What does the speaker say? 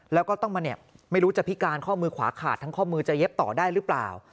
แล้วก็ต้องมาเนี่ยไม่รู้จะพิการข้อมือขวาขาดทั้งข้อมือจะเย็บต่อได้หรือเปล่า